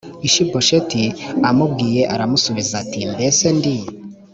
ishibosheti amubwiye aramusubiza ati mbese ndi